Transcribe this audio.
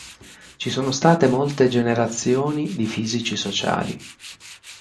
Ci sono state molte "generazioni" di fisici sociali.